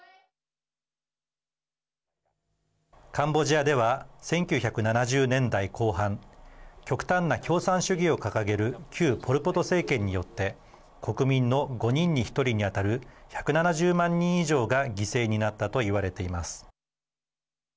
カンボジアでは１９７０年代後半極端な共産主義を掲げる旧ポル・ポト政権によって国民の５人に１人に当たる１７０万人以上が犠牲になったと言われています。